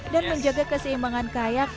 dan menjaga keseimbangan kayak